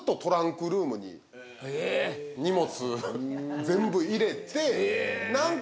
荷物全部入れて何か。